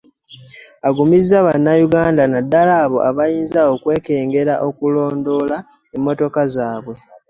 Agumizza bannayuganda nnaddala abo abayinza okwekengera olwokulondoola emmotoka zaabwe